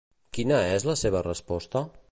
Quina és la seva resposta?